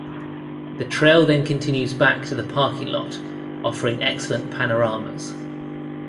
The trail then continues back to the parking lot, offering excellent panoramas.